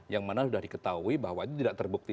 yang mana sudah diketahui bahwa itu tidak terbukti